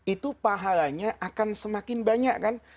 itu pahalanya akan semakin banyak kan